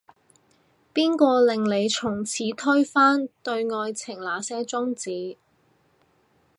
邊個令你從此推翻，對愛情那些宗旨